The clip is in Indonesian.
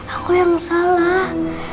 aku yang salah